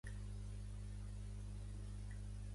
Allí no es veia mai cap costa enlloc